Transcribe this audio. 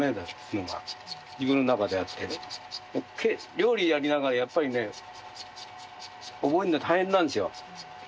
料理やりながらやっぱりね覚えるのは大変なんですよ。